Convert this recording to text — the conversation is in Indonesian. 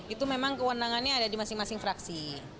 itu memang kewenangannya ada di masing masing fraksi